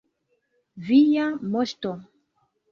Via moŝto!